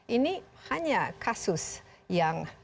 ini hanya kasus yang